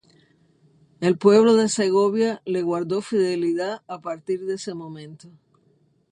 El pueblo de Segovia le guardó fidelidad a partir de ese momento.